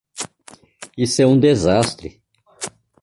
Isso é um desastre.